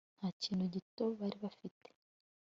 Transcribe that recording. nta kintu gito bari bafite